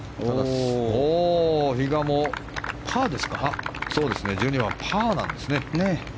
比嘉も１２番パーなんですね。